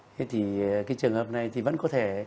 thế thì cái trường hợp này thì vẫn có thể